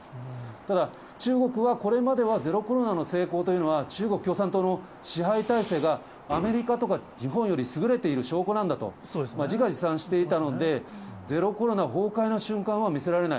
ただ、中国はこれまでは、ゼロコロナの成功というのは、中国共産党の支配体制が、アメリカとか日本より優れている証拠なんだと、自画自賛していたので、ゼロコロナ崩壊の瞬間は見せられない。